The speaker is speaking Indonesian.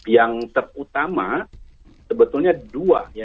yang terutama sebetulnya dua